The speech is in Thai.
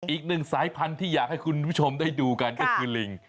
อีกหนึ่งสายพันธุ์ที่อยากให้คุณผู้ชมได้ดูกันก็คือลิง